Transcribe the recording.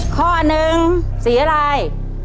ข้อหนึ่งสีอะไร